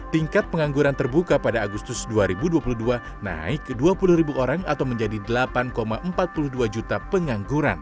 tingkat pengangguran terbuka pada agustus dua ribu dua puluh dua naik ke dua puluh ribu orang atau menjadi delapan empat puluh dua juta pengangguran